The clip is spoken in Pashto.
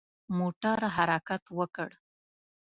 موټر حرکت وکړ.